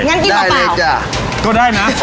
งั้นกินเปล่าก็ได้เลยจ้ะก็ได้นะ